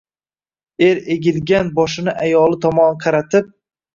Er egilgan boshini ayoli tomon qaratib